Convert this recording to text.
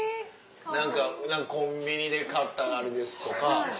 何か「コンビニで買ったあれです」とか。